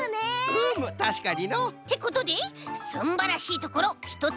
うむたしかにの。ってことですんばらしいところひとつめは。